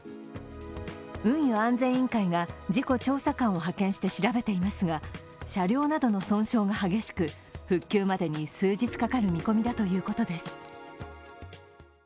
運輸安全委員会が事故調査官を派遣して調べていますが車両などの損傷が激しく、復旧までに数日かかる見込みだということです。